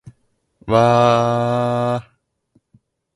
わーーーーーーーー